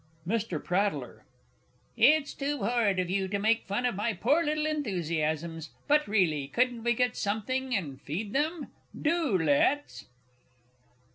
MR. P. It's too horrid of you to make fun of my poor little enthusiasms! But really, couldn't we get something and feed them? Do let's!